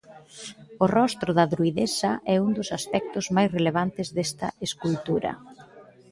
O rostro da Druidesa é un dos aspectos mais relevantes desta escultura.